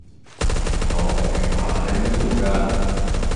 我明明泊係呢度架